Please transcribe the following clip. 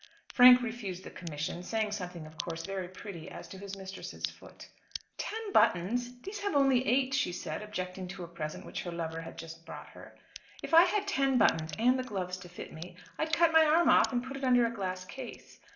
Frank refused the commission, saying something of course very pretty as to his mistress's foot. "Ten buttons! These only have eight," she said, objecting to a present which her lover had just brought her. "If I had ten buttons, and the gloves to fit me, I'd cut my arm off and put it under a glass case.